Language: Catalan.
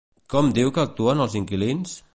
Com diu que actuen els inquilins?